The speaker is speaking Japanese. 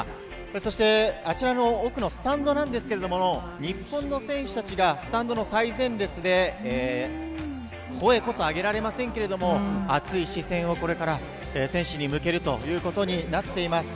そしてあちらの奥のスタンドなんですけれども、日本の選手たちがスタンドの最前列で、声こそ上げられませんけれども、熱い視線をこれから選手に向けるということになっています。